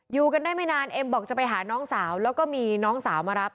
อยู่กันได้ไม่นานเอ็มบอกจะไปหาน้องสาวแล้วก็มีน้องสาวมารับ